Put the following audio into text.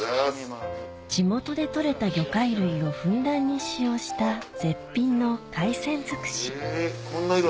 地元で取れた魚介類をふんだんに使用した絶品の海鮮尽くしこんな色。